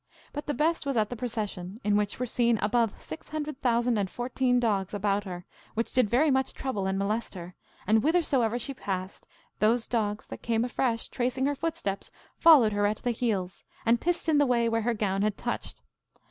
But the best was at the procession, in which were seen above six hundred thousand and fourteen dogs about her, which did very much trouble and molest her, and whithersoever she passed, those dogs that came afresh, tracing her footsteps, followed her at the heels, and pissed in the way where her gown had touched.